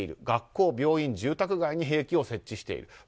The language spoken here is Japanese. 学校、病院、住宅街に兵器を設置している。